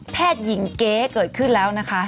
หญิงเก๊เกิดขึ้นแล้วนะคะ